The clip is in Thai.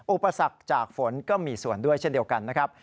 อุปสรรคจากฝนก็มีส่วนด้วยเช่นเดียวกันนะครับ